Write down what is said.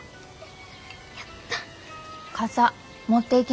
やった。